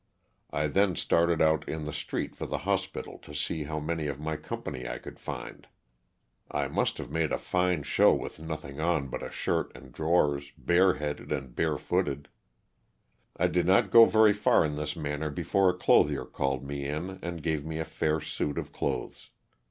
I then started out in the street for the hospital to see how many of my company I could find. (I must have made 380 LOSS OF THE SULTANA. a fine show with nothing on but a shirt and drawers, bareheaded and bare footed.) I did not go very far in this manner before a clothier called me in and gave me a fair suit of clothes.